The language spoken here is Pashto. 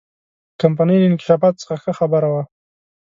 کمپنۍ له انکشافاتو څخه ښه خبره وه.